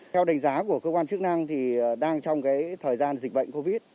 theo đánh giá của cơ quan chức năng thì đang trong thời gian dịch bệnh covid